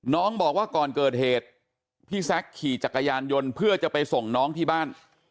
น้องบอกว่าก่อนเกิดเหตุพี่แซคขี่จักรยานยนต์เพื่อจะไปส่งน้องที่บ้าน